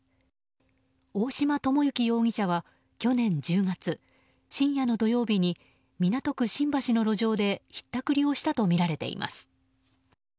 大島智幸容疑者は、去年１０月深夜の土曜日に港区新橋の路上でひったくりをしたとみられています。